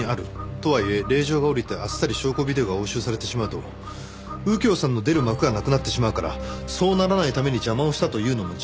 とはいえ令状が下りてあっさり証拠ビデオが押収されてしまうと右京さんの出る幕がなくなってしまうからそうならないために邪魔をしたというのも事実です。